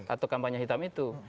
atau kampanye hitam itu